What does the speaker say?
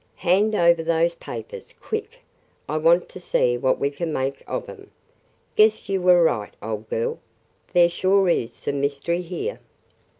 "Hand over those papers – quick! I want to see what we can make of 'em. Guess you were right, old girl: there sure is some mystery here!"